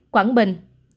bảy quảng bình